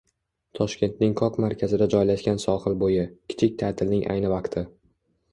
Toshkentning qoq markazida joylashgan sohil bo‘yi — kichik ta’tilning ayni vaqti!